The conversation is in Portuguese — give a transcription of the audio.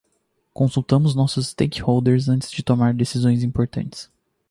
Consultamos nossos stakeholders antes de tomar decisões importantes.